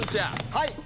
はい！